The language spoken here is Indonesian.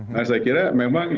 saya kira memang